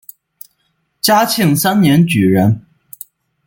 嘉庆三年举人。